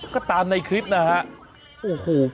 ก็ตามในคลิปนะฮะโอ้โห